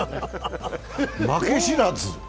負け知らず。